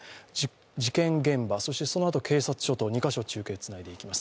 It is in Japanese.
事件現場、そしてそのあと警察署と２か所中継つないでいきます。